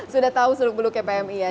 sudah tahu seluruh seluruh kpmi ya